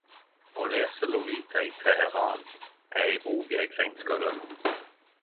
Å lese Lolita i Teheran er ei bok eg seint skal gløyme.